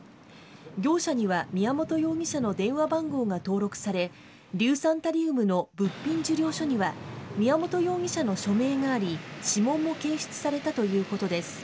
業者には宮本容疑者の電話番号が登録され硫酸タリウムの物品受領書には宮本容疑者の署名があり指紋も検出されたということです。